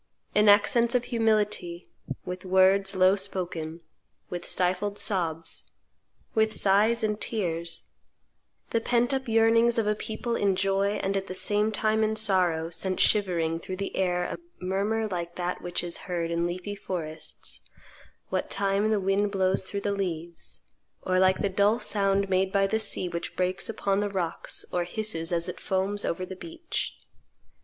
"In accents of humility, with words low spoken, with stifled sobs, with sighs and tears, the pent up yearnings of a people in joy and at the same time in sorrow sent shivering through the air a murmur like that which is heard in leafy forests what time the wind blows through the leaves, or like the dull sound made by the sea which breaks upon the rocks, or hisses as it foams over the beach."